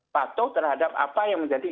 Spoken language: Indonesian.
patuh terhadap apa yang menjadi